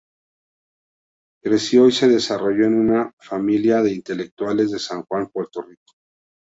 Creció y se desarrolló en una familia de intelectuales de San Juan, Puerto Rico.